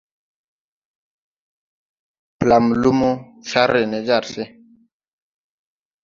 Blam luumo, car re ne jàr se.